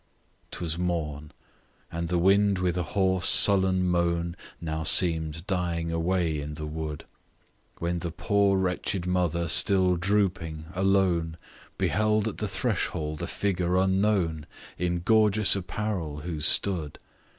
'Twas morn; and the wind with a hoarse sullen moan Now seem'd dying away in the wood, When the poor wretched mother still drooping, alone, Beheld on the threshold a figure unknown, In gorgeous apparel who stood.